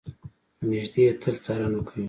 له نږدې يې تل څارنه کوي.